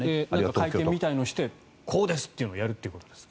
会見みたいなのをしてこうですというのをやるということですか？